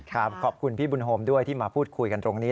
ขอบคุณพี่บุญโฮมด้วยที่มาพูดคุยกันตรงนี้